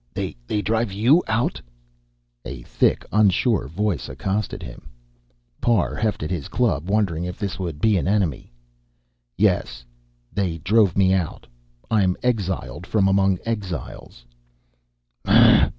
They drive you out?" a thick, unsure voice accosted him. Parr hefted his club, wondering if this would be an enemy. "Yes. They drove me out. I'm exiled from among exiles."